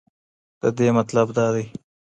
ددې مطلب دا دی.